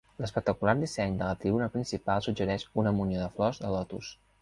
L'espectacular disseny de la tribuna principal suggereix una munió de flors de lotus.